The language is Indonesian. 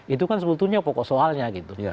itu kan sebetulnya pokok soalnya gitu